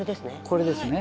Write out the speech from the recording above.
これですね